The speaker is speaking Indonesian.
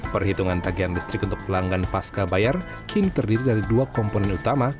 perhitungan tagihan listrik untuk pelanggan pasca bayar kini terdiri dari dua komponen utama